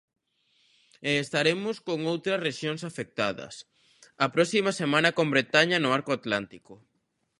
E estaremos con outras rexións afectadas; a próxima semana con Bretaña no Arco atlántico.